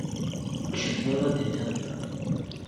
Acu tebɣiḍ ad tiniḍ?